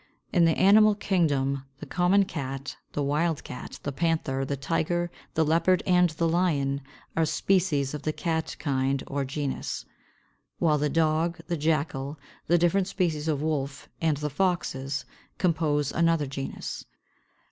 In the animal kingdom the common cat, the wild cat, the panther, the tiger, the leopard, and the lion are species of the cat kind or genus; while the dog, the jackal, the different species of wolf, and the foxes, compose another genus.